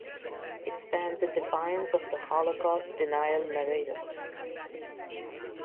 It stands in defiance of Holocaust denial narratives.